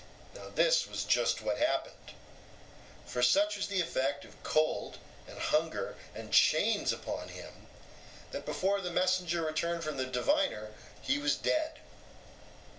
Now this was just what happened. For such was the effect of cold and hunger and chains upon him, that before the messenger returned from the diviner, he was dead.